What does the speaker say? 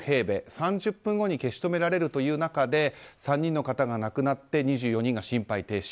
３０分後に消し止められるという中で３人の方が亡くなって２４人が心肺停止。